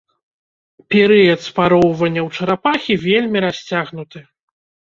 Перыяд спароўвання ў чарапахі вельмі расцягнуты.